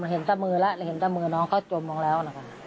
เห็นตั้งมือน้องเขาจมออกแล้ว